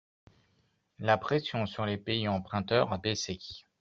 La pression sur les pays emprunteurs a baissé.